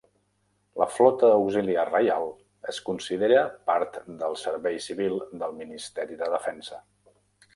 La Flota Auxiliar Reial es considera part del servei civil del Ministeri de Defensa.